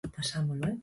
Lo he pasao muy mal.